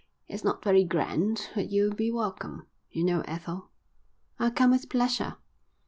"It's not very grand, but you'll be welcome. You know Ethel." "I'll come with pleasure."